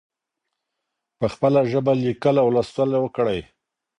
په خپله ژبه لیکل او لوستل وکړئ.